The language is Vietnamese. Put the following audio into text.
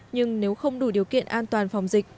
nhưng nếu không đủ điều kiện an toàn phòng dịch